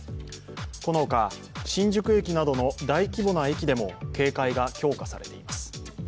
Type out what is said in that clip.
このほか新宿駅などの大規模な駅でも警戒が強化されています。